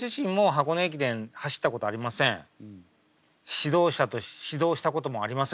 指導者と指導したこともありません。